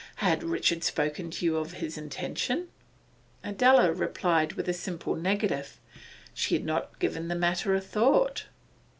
Had Richard spoken to you of his intention?' Adela replied with a simple negative. She had not given the matter a thought.